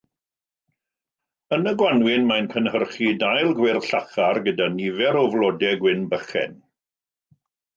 Yn y gwanwyn, mae'n cynhyrchu dail gwyrdd llachar gyda nifer o flodau gwyn bychain.